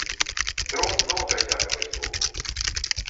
Дроў многа, дзякаваць богу.